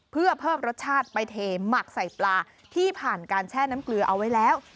เพื่อเพิ่มรสชาติไปเทหมักใส่ปลาที่ผ่านการแช่น้ำเกลือเอาไว้แล้ว